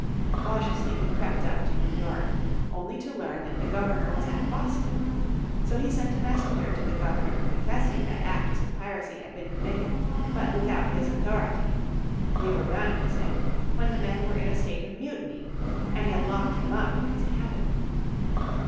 Cautiously he crept up to New York, only to learn that the Governor was at Boston. So he sent a messenger to the Governor confessing that acts of piracy had been committed, but without his authority. They were done, he said, when the men were in a state of mutiny, and had locked him up in his cabin.